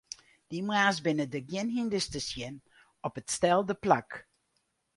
Dy moarns binne der gjin hynders te sjen op it stelde plak.